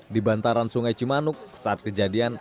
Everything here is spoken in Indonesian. di bantaran sungai cimanuk saat kejadian